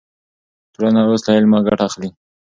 ټولنه اوس له علمه ګټه اخلي.